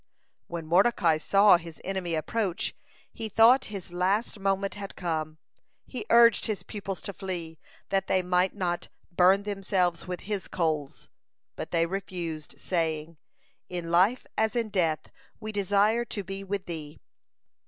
When Mordecai saw his enemy approach, he thought his last moment had come. He urged his pupils to flee, that they might not "burn themselves with his coals." But they refused, saying: "In life as in death we desire to be with thee."